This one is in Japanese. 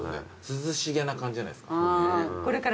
涼しげな感じじゃないですか。